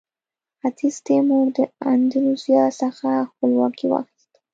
ختیځ تیمور د اندونیزیا څخه خپلواکي واخیسته.